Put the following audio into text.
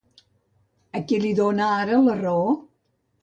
A qui li dona ara la raó?